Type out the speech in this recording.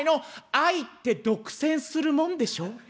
愛って独占するもんでしょ。